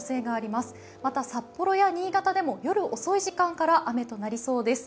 また札幌や新潟でも夜遅い時間から雨となりそうです。